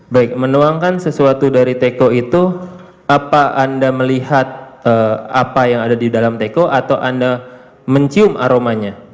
baik menuangkan sesuatu dari teko itu apa anda melihat apa yang ada di dalam teko atau anda mencium aromanya